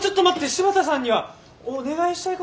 柴田さんにはお願いしたいことがあって。